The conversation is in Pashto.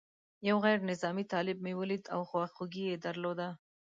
یو غیر نظامي طالب مې ولید او خواخوږي یې درلوده.